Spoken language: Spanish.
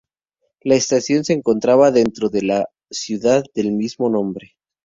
La estación se encontraba dentro de la ciudad del mismo nombre.